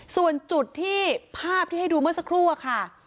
ส่วนจุดที่ภาพที่ให้ดูเมื่อสักครู่อะค่ะ